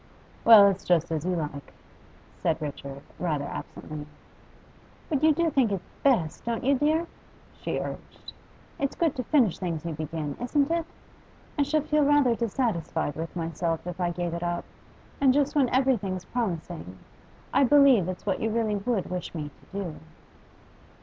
'Well, it's just as you like,' said Richard, rather absently. 'But you do think it best, don't you, dear?' she urged. 'It's good to finish things you begin, isn't it? I should feel rather dissatisfied with myself if I gave it up, and just when everything's promising. I believe it's what you really would wish me to do.